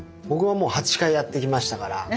僕はもう８回やってきましたから。